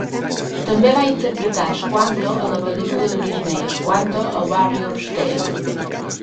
També va interpretar Squanto a la pel·lícula de Disney Squanto, a Warrior's Tale.